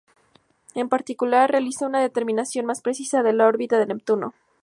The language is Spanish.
En particular, realizó una determinación más precisa de la órbita de Neptuno.